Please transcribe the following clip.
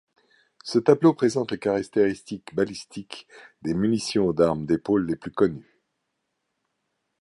Ce tableau présente les caractéristiques balistiques des munitions d'armes d'épaule les plus connues.